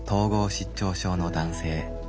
失調症の男性。